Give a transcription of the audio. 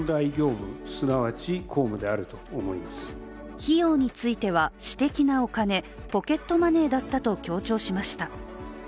費用については、私的なお金ポケットマネーだったと強調しました。